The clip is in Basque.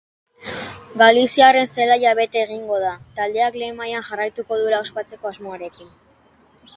Galiziarren zelaia bete egingo da, taldeak lehen mailan jarriko duela ospatzeko asmoarekin.